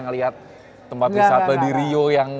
ngeliat tempat wisata di rio yang